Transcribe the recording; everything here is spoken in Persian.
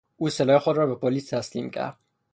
او سلاح خود را به پلیس تسلیم کرد.